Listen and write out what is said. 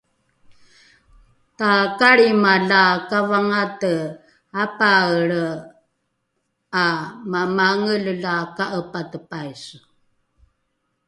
takalrima la kavangate apaaelre ’a mamangele la ka’epate paiso